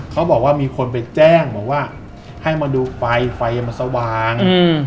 เขาบอกว่ามีคนไปแจ้งบอกว่าให้มาดูไฟไฟมันสว่าง